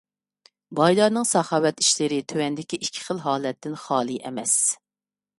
بايلارنىڭ ساخاۋەت ئىشلىرى تۆۋەندىكى ئىككى خىل ھالەتتىن خالىي ئەمەس: